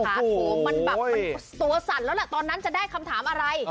โทรมันแบบมันตัวสั่นแล้วแหละตอนนั้นจะได้คำถามอะไร